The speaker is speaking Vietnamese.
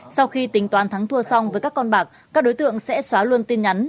sau khi tính toán thắng thua xong với các con bạc các đối tượng sẽ xóa luôn tin nhắn